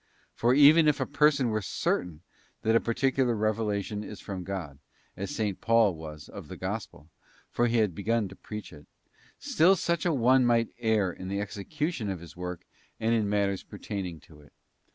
For even if a person were certain that a particular revelation is from God, as S. Paul was of the Gospel—for he had begun to preach it — still such an one might err in the execution of his work and in matters pertaining to it.